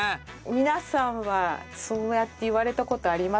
皆さんはそうやって言われた事ありますか？